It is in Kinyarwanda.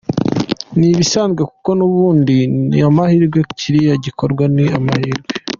Ni ibisanzwe kuko n’ubundi ni amahirwe, kiriya gikorwa ni amahirwe.